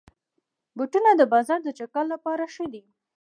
بوټونه د بازار د چکر لپاره ښه دي.